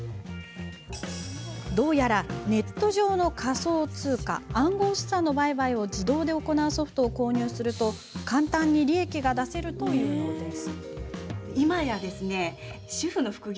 どうやら、ネット上の仮想通貨暗号資産の売買を自動で行うソフトを購入すると簡単に利益が出せるというのです。